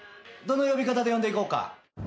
「どの呼び方で呼んでいこうか」